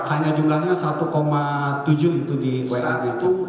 hanya jumlahnya satu tujuh itu di wmd